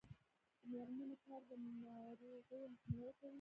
د میرمنو کار د ناروغیو مخنیوی کوي.